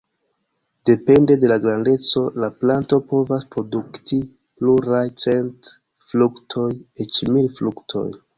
Depende de la grandeco la planto povas produkti pluraj cent fruktoj, eĉ mil fruktoj.